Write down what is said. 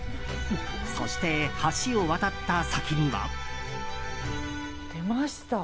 そして橋を渡った先には。出ました。